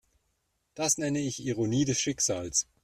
Das nenne ich Ironie des Schicksals.